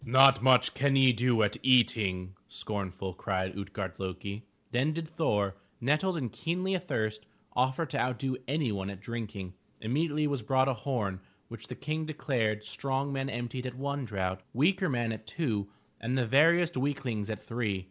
*'Not much can ye do at eating!" scornful, cried Ut'gard lo'ki. Then did Thor, nettled and keenly athirst, offer to outdo anyone at drinking. Immediately was brought a horn which the King declared strong men emptied at one draught, weaker men at two and the veriest weaklings at three.